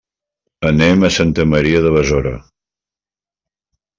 Anem a Santa Maria de Besora.